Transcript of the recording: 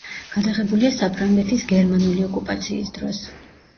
გადაღებულია საფრანგეთის გერმანული ოკუპაციის დროს.